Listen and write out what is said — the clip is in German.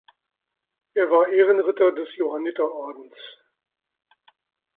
Er war Ehrenritter des Johanniterordens.